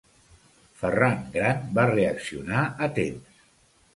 Ferran gran va reaccionar a temps.